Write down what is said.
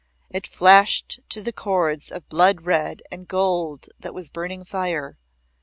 It flashed to the chords of blood red and gold that was burning fire.